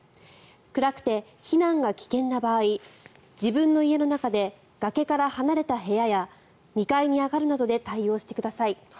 暗くて避難が危険な場合自分の家の中で崖から離れた部屋や２階に上がるなどで対応してください。